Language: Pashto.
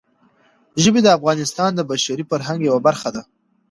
ژبې د افغانستان د بشري فرهنګ یوه برخه ده.